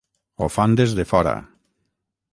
Ho fan des de fora.